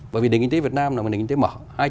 bởi vì đình kinh tế việt nam là một đình kinh tế mở